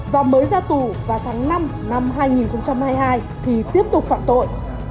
và mới ra tù vào tháng năm năm hai nghìn hai mươi hai thì tiếp tục phạm tội